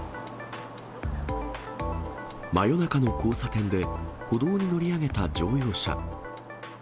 真夜中の交差点で、歩道に乗り上げた乗用車。